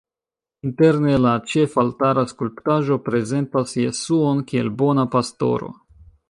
Interne la ĉefaltara skulptaĵo prezentas Jesuon kiel Bona Pastoro.